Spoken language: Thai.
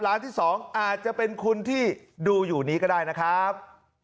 ที่๒อาจจะเป็นคุณที่ดูอยู่นี้ก็ได้นะครับ